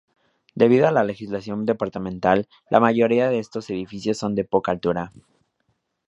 Debido a la legislación departamental, la mayoría de estos edificios son de poca altura.